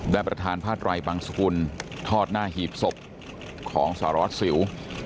และประทานพระดรัยบังสกุลทอดหน้าหีบศพของสหรัฐสิว